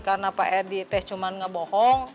karena pak edi teh cuman ngebohong